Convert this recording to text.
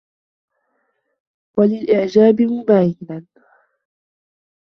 وَلِلْإِعْجَابِ مُبَايِنًا